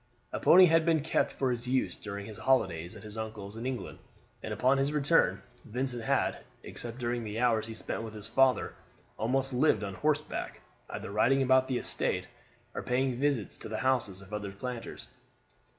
A pony had been kept for his use during his holidays at his uncle's in England, and upon his return Vincent had, except during the hours he spent with his father, almost lived on horseback, either riding about the estate, or paying visits to the houses of other planters.